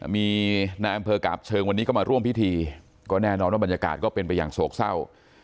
มีในอำเภอกาบเชิงวันนี้ก็มาร่วมพิธีก็แน่นอนว่าบรรยากาศก็เป็นไปอย่างโศกเศร้า